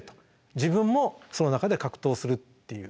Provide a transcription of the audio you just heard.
自分もその中で格闘するっていう。